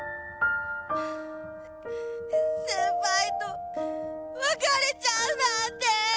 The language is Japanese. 先輩と別れちゃうなんて。